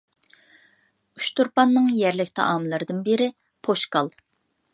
ئۇچتۇرپاننىڭ يەرلىك تائاملىرىدىن بىرى پوشكال.